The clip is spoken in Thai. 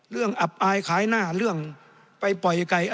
เรื่องอับอายคล้ายหน้าเรื่องไปปล่อยไกล